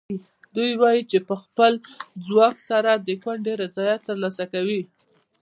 دوی وایي چې په خپل ځواک سره د کونډې رضایت ترلاسه کوي.